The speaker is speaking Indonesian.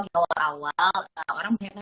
di awal awal orang melihat